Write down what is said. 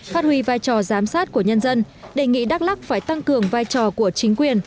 phát huy vai trò giám sát của nhân dân đề nghị đắk lắc phải tăng cường vai trò của chính quyền